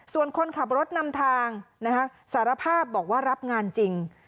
ส่วนคนขับรถนำทางสารภาพบอกว่ารับงานจริง